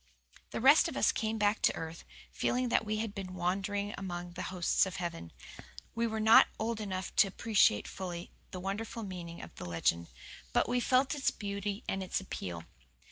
The rest of us came back to earth, feeling that we had been wandering among the hosts of heaven. We were not old enough to appreciate fully the wonderful meaning of the legend; but we felt its beauty and its appeal.